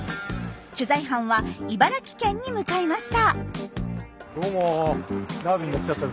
取材班は茨城県に向かいました。